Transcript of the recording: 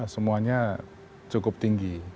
semuanya cukup tinggi